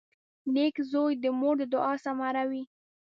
• نېک زوی د مور د دعا ثمره وي.